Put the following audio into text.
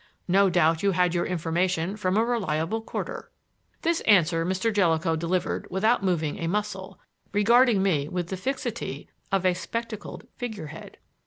No doubt you had your information from a reliable quarter." This answer Mr. Jellicoe delivered without moving a muscle, regarding me with the fixity of a spectacled figurehead.